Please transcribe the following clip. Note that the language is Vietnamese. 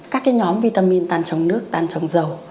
các nhóm vitamin tan trong nước tan trong dầu